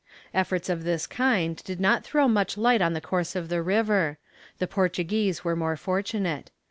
Efforts of this kind did not throw much light on the course of the river. The Portuguese were more fortunate.